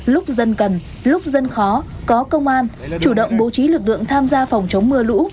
lúc dân cần lúc dân khó có công an chủ động bố trí lực lượng tham gia phòng chống mưa lũ